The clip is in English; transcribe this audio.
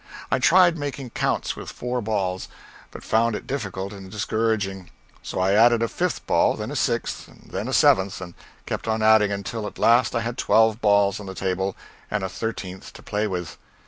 I tried making counts with four balls, but found it difficult and discouraging, so I added a fifth ball, then a sixth, then a seventh, and kept on adding until at last I had twelve balls on the table and a thirteenth to play with.